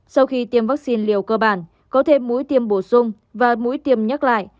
sau khi tiêm vaccine liều cơ bản có thêm mũi tiêm bổ sung và mũi tiêm nhắc lại